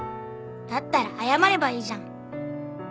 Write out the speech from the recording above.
だったら謝ればいいじゃん。